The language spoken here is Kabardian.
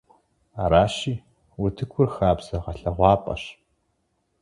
Аращи, утыкур хабзэ гъэлъэгъуапӀэщ.